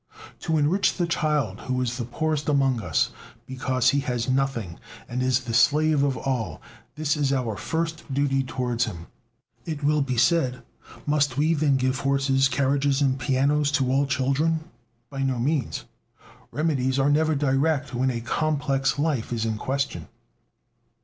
To enrich the child, who is the poorest among us, because he has nothing and is the slave of all this is our first duty towards him. It will be said: Must we, then, give horses, carriages, and pianos to all children? By no means. Remedies are never direct when a complex life is in question.